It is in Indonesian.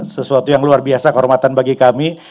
sesuatu yang luar biasa kehormatan bagi kami